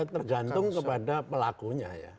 tergantung kepada pelakunya ya